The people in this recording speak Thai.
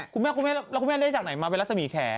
คุณแม่แล้วคุณแม่ได้จากไหนมาเป็นลักษมีแคร์